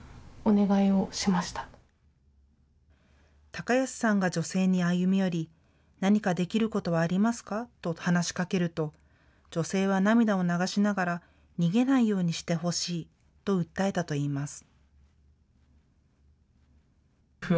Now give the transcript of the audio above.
貴康さんが女性に歩み寄り、何かできることはありますか？と話しかけると、女性は涙を流しながら、逃げないようにしてほしいと訴えたといいます。